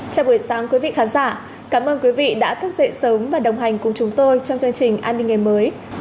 chào buổi sáng quý vị khán giả cảm ơn quý vị đã thức dậy sớm và đồng hành cùng chúng tôi trong chương trình an ninh ngày mới